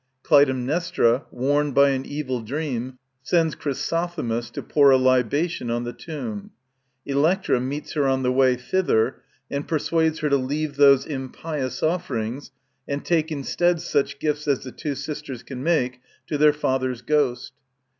Clytemnestra, warned by an evil dream, sends Chryso themis to pour a libation on the tomb. Electra meets her on the way thither and persuades her to leave these impious offerings and take instead such gifts as the two sisters can make to their father's ghost.